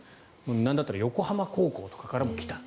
なんだったら横浜高校とかからも来た。